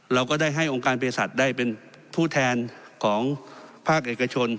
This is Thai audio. เราก็ได้ให้องค์การเพศสัตว์ได้เป็นผู้แทนของภาคเอกชน